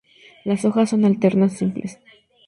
Las hojas son alternas, simples.